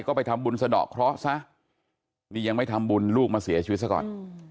ก็ไปทำบุญสะดอกเคราะห์ซะนี่ยังไม่ทำบุญลูกมาเสียชีวิตซะก่อน